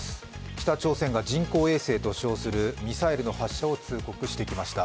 北朝鮮が人工衛星と称する、ミサイルの発射を通告してきました。